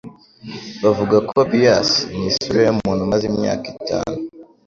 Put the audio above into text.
bavuga ko bias n'isura y'umuntu umaze imyaka itanu